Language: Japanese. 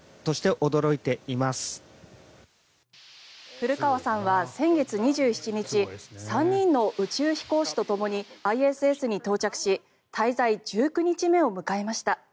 古川さんは先月２７日３人の宇宙飛行士とともにＩＳＳに到着し滞在１９日目を迎えました。